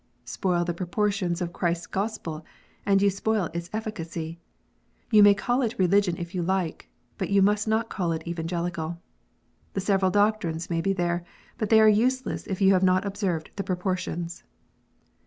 Spoil the proportions of Christ s Gospel, and you spoil its efficacy. You may call it religion if you like ; but you must not call it Evangelical. The several doctrines may be there, but they are useless if you have not observed the proportions.